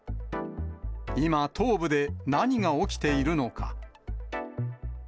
今、東部で何が起きているのか。